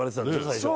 最初は。